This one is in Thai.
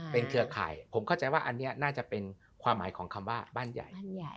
ผมเข้าใจว่าอันนี้น่าจะเป็นความหมายของคำว่าบ้านใหญ่